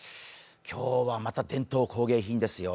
今日はまた伝統工芸品ですよ。